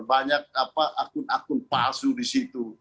banyak akun akun palsu di situ